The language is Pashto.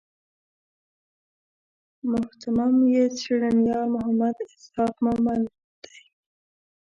مهتمم یې څېړنیار محمد اسحاق مومند دی.